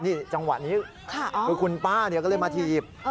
นี่จังหวะนี้คือคุณป้าก็เลยมาถีบ